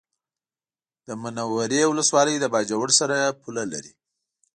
د منورې ولسوالي د باجوړ سره پوله لري